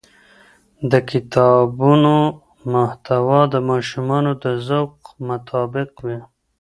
د کتابونو محتوا د ماشومانو د ذوق مطابق وي.